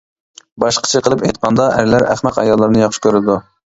باشقىچە قىلىپ ئېيتقاندا ئەرلەر ئەخمەق ئاياللارنى ياخشى كۆرىدۇ.